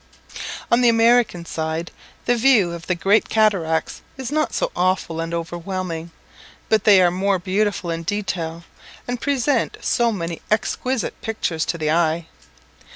On the American Side, the view of the great cataracts is not so awful and overwhelming, but they are more beautiful in detail, and present so many exquisite pictures to the eye.